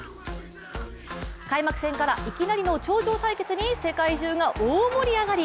開幕戦からいきなりの頂上対決に世界中が大盛り上がり。